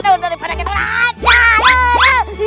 aduh daripada kita rata